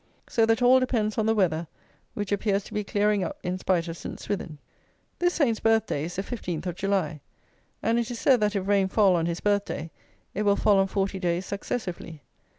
So that all depends on the weather, which appears to be clearing up in spite of Saint Swithin. This Saint's birth day is the 15th of July; and it is said that if rain fall on his birth day it will fall on forty days successively.